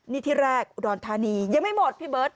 นี่ที่แรกอุดรธานียังไม่หมดพี่เบิร์ต